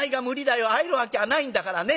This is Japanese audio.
会えるわけはないんだからね。